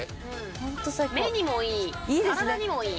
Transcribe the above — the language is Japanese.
目にもいい体にもいい。